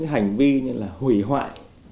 hành vi như là hủy hoại